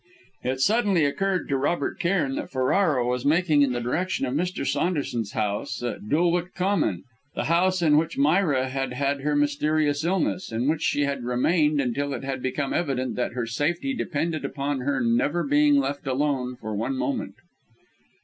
It suddenly occurred to Robert Cairn that Ferrara was making in the direction of Mr. Saunderson's house at Dulwich Common; the house in which Myra had had her mysterious illness, in which she had remained until it had become evident that her safety depended upon her never being left alone for one moment.